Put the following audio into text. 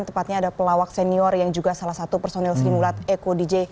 tepatnya ada pelawak senior yang juga salah satu personil simulat eko dj